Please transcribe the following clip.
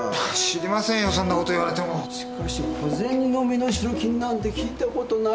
しかし小銭の身代金なんて聞いたことないな。